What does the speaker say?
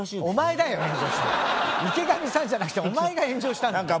お前だよ！